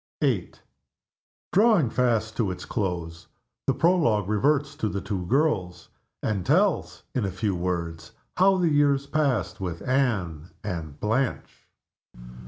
VIII. Drawing fast to its close, the Prologue reverts to the two girls and tells, in a few words, how the years passed with Anne and Blanche.